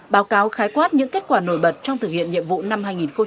báo cáo khái quát những kết quả nổi bật trong thực hiện nhiệm vụ năm hai nghìn hai mươi